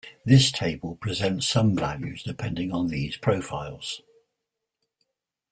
This table presents some values depending on these profiles.